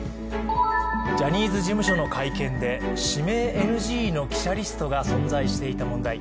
ジャニーズ事務所の会見で、指名ＮＧの記者リストが存在していた問題。